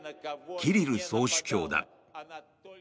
キリル総主教だ。